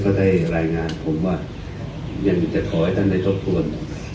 ท่านก็ได้รายงานผมว่ายังมีจัดขอให้ท่านได้เชิดทวน